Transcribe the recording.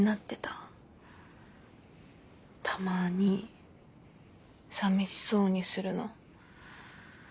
たまにさみしそうにするの。